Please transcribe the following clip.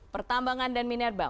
pertambangan dan minerba